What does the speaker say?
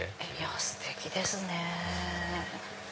ステキですね。